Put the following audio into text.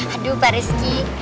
aduh pak rizky